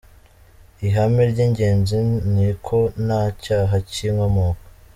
Ihame ry’ingenzi ni uko nta cyaha cy’inkomoko.